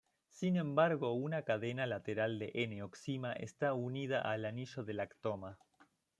Sin embargo una cadena lateral de N-oxima está unida al anillo de lactona.